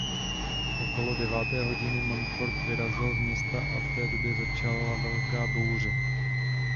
Okolo deváté hodiny Montfort vyrazil z města a v té době začala velká bouře.